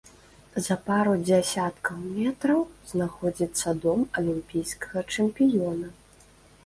За пару дзясяткаў метраў знаходзіцца дом алімпійскага чэмпіёна.